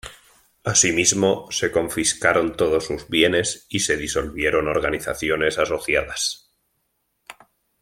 Asimismo se confiscaron todos sus bienes, y se disolvieron organizaciones asociadas.